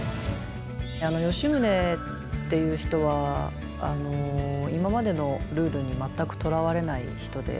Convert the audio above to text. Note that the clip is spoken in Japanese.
吉宗っていう人は今までのルールに全くとらわれない人で。